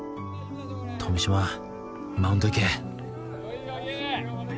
富嶋マウンド行け